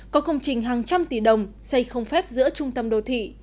có công trình hàng trăm tỷ đồng xây không phép giữa trung tâm đô thị